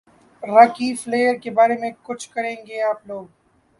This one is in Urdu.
راکی فلیر کے بارے میں کچھ کریں گے آپ لوگ